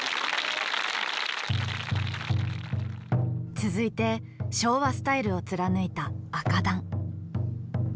続いて昭和スタイルを貫いた紅団。